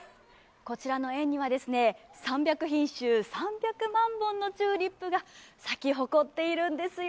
こちらの園には３００品種、３００万本のチューリップが咲き誇っているんですよ。